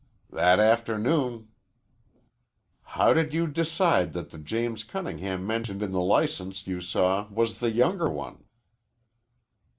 "That afternoon." "How did you decide that the James Cunningham mentioned in the license you saw was the younger one?"